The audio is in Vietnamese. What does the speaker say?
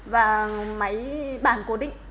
và máy bàn cố định